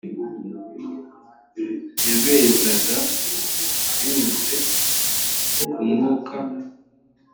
yabezaga binyuze ku mwuka